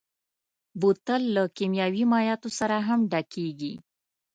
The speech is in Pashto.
بوتل له کيمیاوي مایعاتو سره هم ډکېږي.